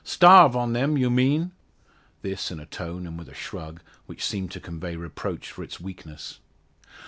"Starve on them, you mean?" This in a tone, and with a shrug, which seem to convey reproach for its weakness.